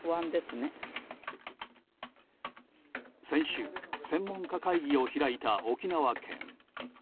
先週、専門家会議を開いた沖縄県。